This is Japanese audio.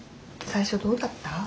最初どうだった？